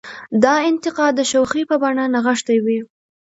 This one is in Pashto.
دا انتقاد د شوخۍ په بڼه نغښتې وي.